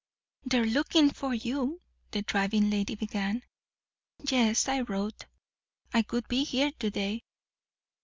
"They're lookin' for you," the driving lady began. "Yes. I wrote I would be here to day."